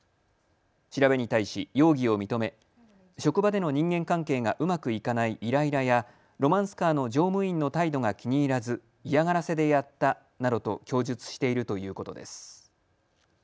調べに対し容疑を認め職場での人間関係がうまくいかないイライラやロマンスカーの乗務員の態度が気に入らず嫌がらせでやったなどと供述しているということです。